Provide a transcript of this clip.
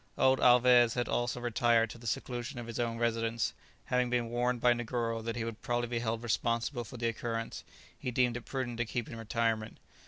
Old Alvez had also retired to the seclusion of his own residence; having been warned by Negoro that he would probably be held responsible for the occurrence, he deemed it prudent to keep in retirement.